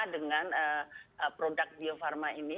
dengan produk bio farma ini